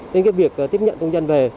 nên việc tiếp nhận công dân về